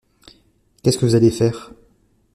Qu’est-ce que vous allez faire ?